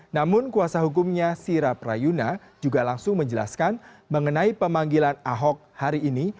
namun kuasa hukumnya sirap rayuna juga langsung menjelaskan mengenai pemanggilan ahok hari ini